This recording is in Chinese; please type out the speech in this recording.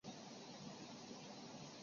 马尔热里耶昂库尔。